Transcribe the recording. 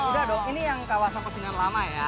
udah dong ini yang kawasan kucingan lama ya